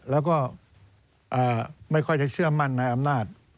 แล้วก็ไม่ค่อยจะเชื่อมั่นในอำนาจ